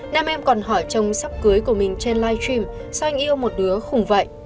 nam em còn hỏi chồng sắp cưới của mình trên live stream sao anh yêu một đứa khủng vậy